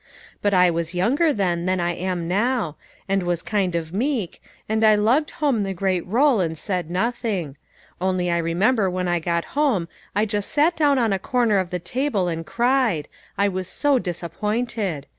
But I was younger then than I am now, and waa kind of meek, and I lugged home the great roll and said nothing ; only I remember when I got home I just sat down on a corner of the table and cried, I was so disappointed.